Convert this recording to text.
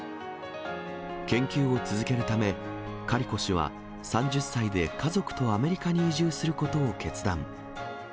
研究を続けるため、カリコ氏は、３０歳で家族とアメリカに移住することを決断。